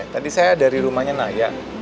tadi saya dari rumahnya naya